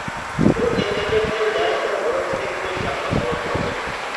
ئۇ كەتكەندىن كىيىن دەرسلەر بۇرۇنقىدەك خوش ياقماس بولۇپ قالدى.